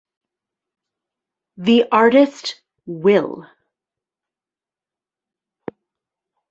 The artist Wilh.